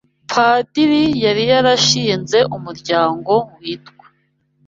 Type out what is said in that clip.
Padiri yari yarashinze umuryango witwa